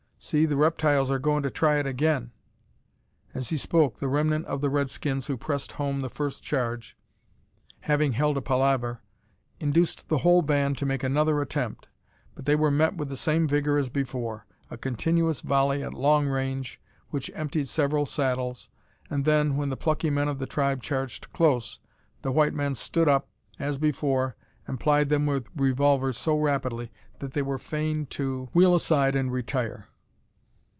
See, the reptiles are goin' to try it again!" As he spoke, the remnant of the Redskins who pressed home the first charge, having held a palaver, induced the whole band to make another attempt, but they were met with the same vigour as before a continuous volley at long range, which emptied several saddles, and then, when the plucky men of the tribe charged close, the white men stood up, as before, and plied them with revolvers so rapidly that they were fain to wheel aside and retire.